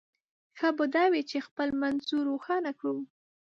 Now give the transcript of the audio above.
ښه به دا وي چې خپل منظور روښانه کړو.